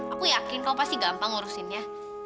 aku yakin kau pasti gampang ngurusinnya